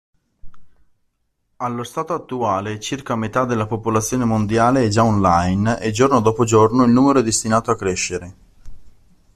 Allo stato attuale circa metà della popolazione mondiale è già online e giorno dopo giorno il numero è destinato a crescere.